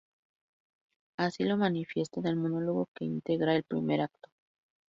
Así lo manifiesta en el monólogo que integra el primer acto.